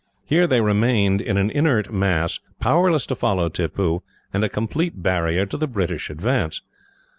Here they remained in an inert mass, powerless to follow Tippoo, and a complete barrier to the British advance.